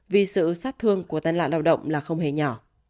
vì sự sát thương của tai nạn lao động là không hề nhỏ